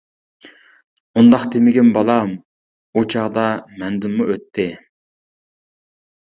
-ئۇنداق دېمىگىن بالام، ئۇ چاغدا مەندىنمۇ ئۆتتى.